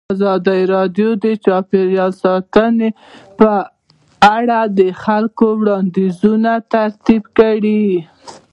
ازادي راډیو د چاپیریال ساتنه په اړه د خلکو وړاندیزونه ترتیب کړي.